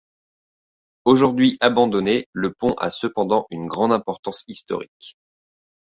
Aujourd'hui abandonné, le pont a cependant une grande importance historique.